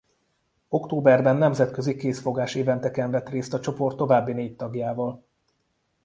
Októberben nemzetközi kézfogásevent-eken vett részt a csoport további négy tagjával.